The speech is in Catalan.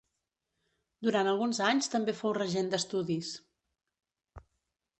Durant alguns anys també fou regent d'estudis.